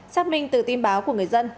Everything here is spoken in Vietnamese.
xác minh từ tin báo của người dân